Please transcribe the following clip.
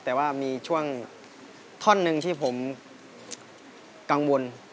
แต่ว่ามีช่วงท่อนหนึ่งที่ผมกังวล